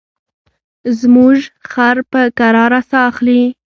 زموږ خر په کراره ساه اخلي.